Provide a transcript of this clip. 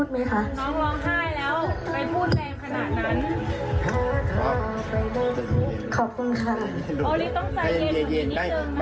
มีอะไรอยากจะพูดไหมคะ